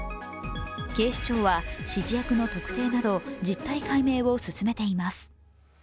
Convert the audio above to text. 警視庁は、指示役の特定など実態解明を進めています。